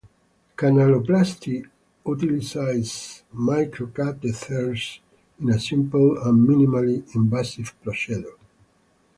Canaloplasty utilizes microcatheters in a simple and minimally invasive procedure.